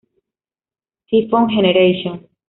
Typhoon Generation